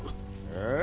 ああ？